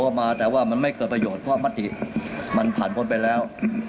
มาแต่ว่ามันไม่เกิดประโยชน์เพราะมติมันผ่านพ้นไปแล้ว